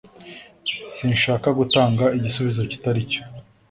Sinshaka gutanga igisubizo kitari cyo